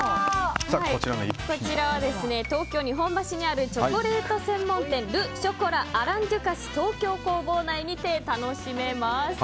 こちらは東京・日本橋にあるチョコレート専門店ル・ショコラ・アラン・デュカス東京工房にて楽しめます。